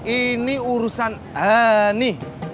ini urusan ani